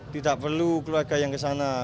tidak perlu keluarga yang ke sana